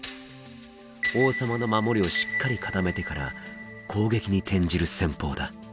王様の守りをしっかり固めてから攻撃に転じる戦法だ。